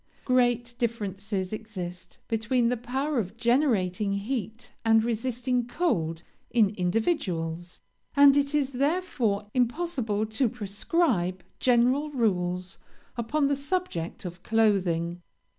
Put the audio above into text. Great differences exist between the power of generating heat and resisting cold in individuals, and it is therefore impossible to prescribe general rules upon the subject of clothing.